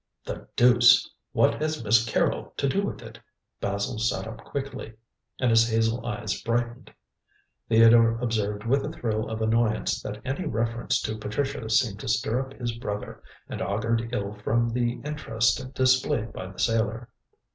"The deuce! What has Miss Carrol to do with it?" Basil sat up quickly, and his hazel eyes brightened. Theodore observed with a thrill of annoyance that any reference to Patricia seemed to stir up his brother, and augured ill from the interest displayed by the sailor.